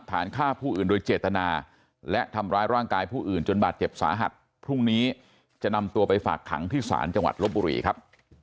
ฐานฆ่าผู้อื่นโดยเจตนาและทำร้ายร่างกายผู้อื่นจนบาดเจ็บสาหัสพรุ่งนี้จะนำตัวไปฝากขังที่ศาลจังหวัดลบบุรีครับ